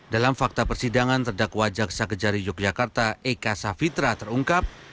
dalam fakta persidangan terdakwa jaksa kejari yogyakarta eka safitra terungkap